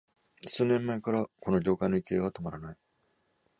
数年前からこの業界の勢いは止まらない